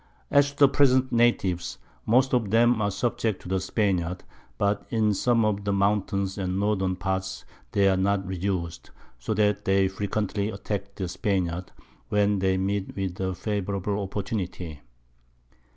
As to the present Natives, most of 'em are subject to the Spaniards; but in some of the Mountains and Northern Parts they are not reduc'd; so that they frequently attack the Spaniards, when they meet with a favourable Opportunity.